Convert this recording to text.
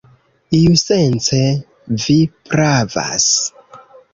Iusence vi pravas.